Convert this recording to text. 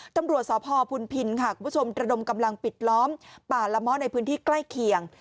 ตำรวจสพพุนพินค่ะคุณผู้ชมระดมกำลังปิดล้อมป่าละม้อในพื้นที่ใกล้เคียง